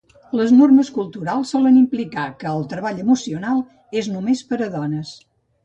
Les normes culturals solen implicar que el treball emocional és només per a dones.